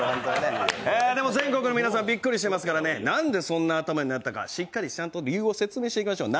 でも全国の皆さん、びっくりしてますからなんでそんな頭になったか、しっかりちゃんと理由を説明していきましょう。